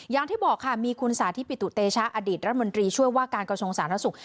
อย่างที่บอกค่ะมีคุณสาธิปิตุเตชะอดีตรัฐมนตรีช่วยว่าการกระทรวงสาธารณสุข